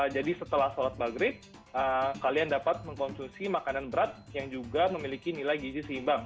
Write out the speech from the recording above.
jadi setelah sholat maghrib kalian dapat mengkonsumsi makanan berat yang juga memiliki nilai gizi seimbang